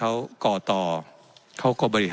และยังเป็นประธานกรรมการอีก